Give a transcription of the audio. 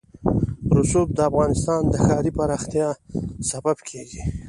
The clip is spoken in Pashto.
رسوب د افغانستان د ښاري پراختیا سبب کېږي.